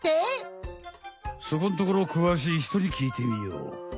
そこんところくわしいひとにきいてみよう。